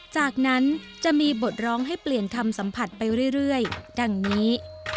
จากนั้นจะมีบทร้องให้เปลี่ยนคำสัมผัสไปเรื่อยดังนี้